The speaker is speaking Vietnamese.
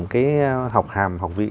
cái học hàm học vị